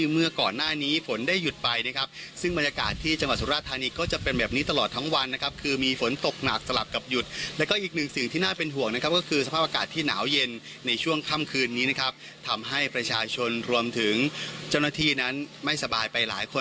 มันได้หยุดไปนะครับซึ่งบรรยากาศที่จังหวัดสุราชธรรมิก็จะเป็นแบบนี้ตลอดทั้งวันนะครับคือมีฝนตกหนักสลับกับหยุดแล้วก็อีกหนึ่งสิ่งที่น่าเป็นห่วงนะครับก็คือสภาพโอกาสที่หนาวเย็นในช่วงค่ำคืนนี้นะครับทำให้ป